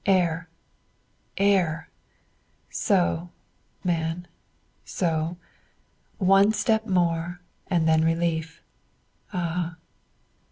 Air, air! So, man, so; one step more and then relief. Ah!